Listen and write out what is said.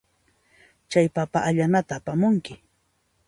Chay papa allanata apamunki.